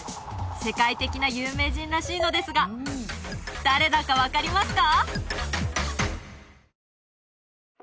世界的な有名人らしいのですが誰だか分かりますか？